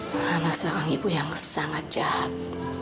mama sarang ibu yang sangat jahat